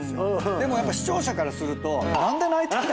でもやっぱ視聴者からすると。